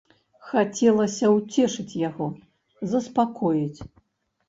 Хацелася ўцешыць яго, заспакоіць.